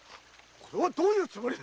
これはどういうつもり。